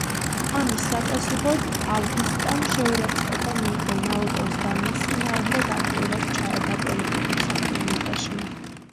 ამის საპასუხოდ ავგუსტამ შეურაცხყოფა მიაყენა ოტოს და მის წინააღმდეგ აქტიურად ჩაება პოლიტიკურ საქმიანობაში.